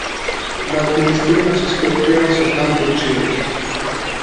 Dal finestrino si scorgeva soltanto il cielo.